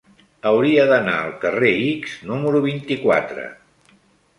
Hauria d'anar al carrer X número vint-i-quatre.